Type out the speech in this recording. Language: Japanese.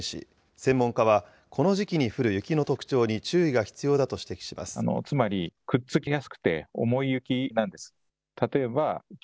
専門家は、この時期に降る雪の特徴に注意が必要だと指摘します。